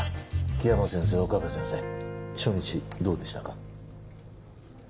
樹山先生岡部先生初日どうでしたか？